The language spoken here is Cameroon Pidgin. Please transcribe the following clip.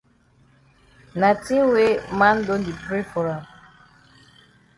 Na tin way man don di pray for am.